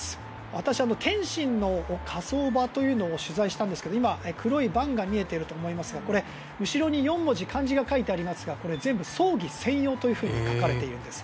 私、天津の火葬場というのを取材したんですけど今、黒いバンが見えていると思いますがこれ、後ろに４文字漢字が書いてありますがこれ、全部葬儀専用と書かれているんです。